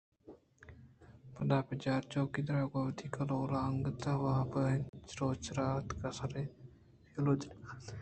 پدا بچار چوکیدار گوں وتی کہولءَ انگتءَ واب اِنت ءُروچ سرا اتکگ سر اِنت ءُ ایشاں لج نہ کنت